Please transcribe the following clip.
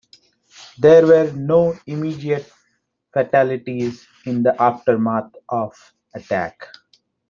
There were no immediate fatalities in the aftermath of the attack.